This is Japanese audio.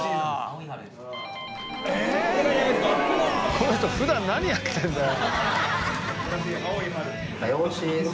この人普段何やってるんだよ。